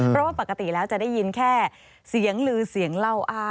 เพราะว่าปกติแล้วจะได้ยินแค่เสียงลือเสียงเล่าอ้าง